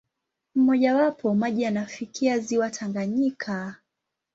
Mmojawapo, maji yanafikia ziwa Tanganyika.